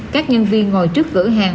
các nhân viên ngồi trước gửi hàng